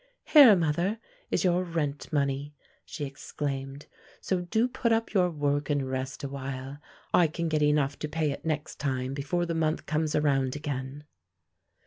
"Here, mother, is your rent money," she exclaimed; "so do put up your work and rest a while. I can get enough to pay it next time before the month comes around again."